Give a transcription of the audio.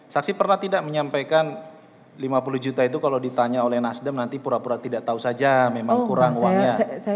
saksi pernah tidak menyampaikan lima puluh juta itu kalau ditanya oleh nasdem nanti pura pura tidak tahu saja memang kurang uangnya